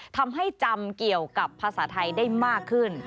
ทำให้จำเกี่ยวกับภาษาไทยได้มากขึ้น